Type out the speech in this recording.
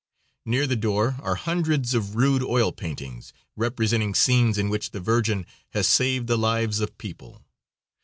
Near the door are hundreds of rude oil paintings representing scenes in which the Virgin has saved the lives of people.